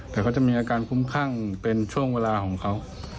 แต่เขาจะมีอาการคุ้มข้างเป็นช่วงเวลาของเขา